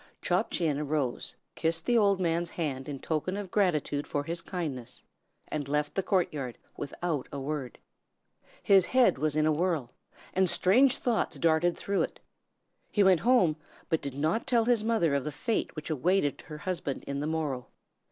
Chop Chin arose, kissed the old man's hand in token of gratitude for his kindness, and left the court yard without a word. His head was in a whirl, and strange thoughts darted through it. He went home, but did not tell his mother of the fate which awaited her husband on the morrow.